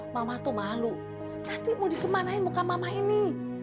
mama tuh malu nanti mau dikemanain muka mama ini